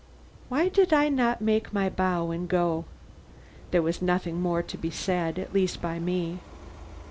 Why did I not make my bow and go? There was nothing more to be said at least by me.